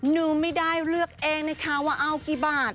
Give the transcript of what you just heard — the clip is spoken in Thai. นุ้นไม่ได้เลือกเองว่าเอากี่บาท